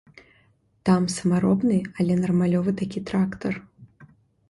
Там самаробны, але нармалёвы такі трактар.